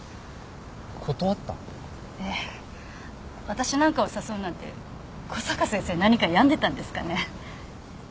私なんかを誘うなんて小坂先生何か病んでたんですかね。